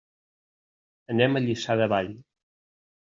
Anem a Lliçà de Vall.